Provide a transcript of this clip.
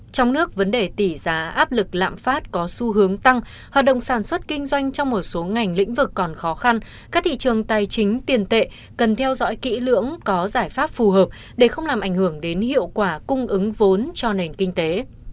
trong một số ngành lĩnh vực còn khó khăn các thị trường tài chính tiền tệ cần theo dõi kỹ lưỡng có giải pháp phù hợp để không làm ảnh hưởng đến hiệu quả cung ứng vốn cho nền kinh tế